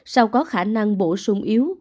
sau có khả năng bổ sung yếu